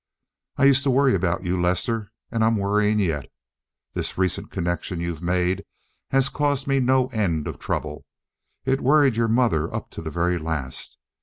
I used to worry about you, Lester, and I'm worrying yet. This recent connection you've made has caused me no end of trouble. It worried your mother up to the very last.